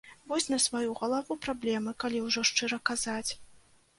Вось на сваю галаву праблемы, калі ўжо шчыра казаць.